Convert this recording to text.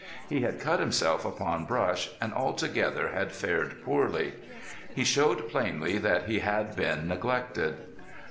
He had cut himself upon brush, and altogether had fared poorly. He showed plainly that he had been neglected.